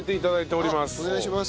お願いします。